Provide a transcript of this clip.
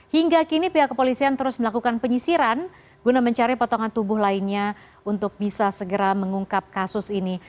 hingga kini pihak kepolisian terus melakukan penyisiran guna mencari potongan tubuh lainnya untuk bisa segera mengungkap kasus ini